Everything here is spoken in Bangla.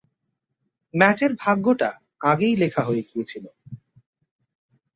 ম্যাচের ভাগ্যটা আগেই লেখা হয়ে গিয়েছিল।